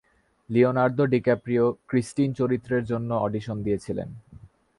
Leonardo DiCaprio Christine চরিত্রের জন্য audition দিয়েছিলেন।